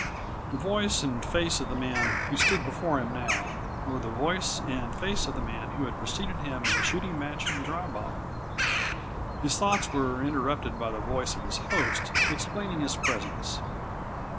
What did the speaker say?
The voice and face of the man who stood before him now were the voice and face of the man who had preceded him in the shooting match in Dry Bottom. His thoughts were interrupted by the voice of his host, explaining his presence.